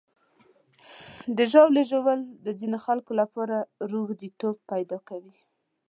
د ژاولې ژوول د ځینو خلکو لپاره روږديتوب پیدا کوي.